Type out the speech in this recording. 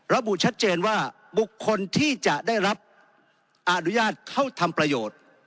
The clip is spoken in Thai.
ระบุชัดเจนว่าบุคคลที่จะได้รับอนุญาตเข้าทำประโยชน์